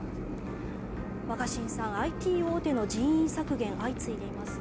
若新さん、ＩＴ大手の人員削減が相次いでいますね。